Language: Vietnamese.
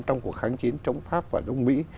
trong cuộc kháng chiến chống pháp và chống mỹ